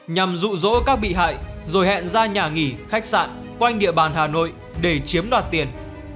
nhằm rụ rỗ các bị hại rồi hẹn ra nhà nghỉ khách sạn quanh địa bàn hà nội để chiếm đoạt tiền